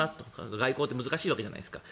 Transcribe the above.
外交って難しいわけじゃないですか。